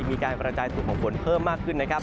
มีการกำลังใจถูกของฝนเพิ่มมากขึ้นนะครับ